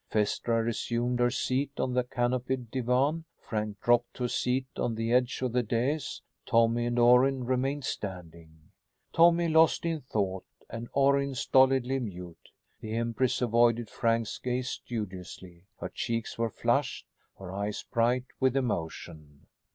Phaestra resumed her seat on the canopied divan. Frank dropped to a seat on the edge of the dais. Tommy and Orrin remained standing, Tommy lost in thought and Orrin stolidly mute. The empress avoided Frank's gaze studiously. Her cheeks were flushed; her eyes bright with emotion.